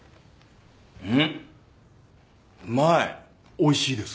おいしいです。